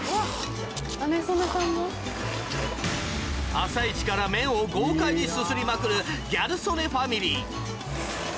朝イチから麺を豪快にすすりまくるギャル曽根ファミリー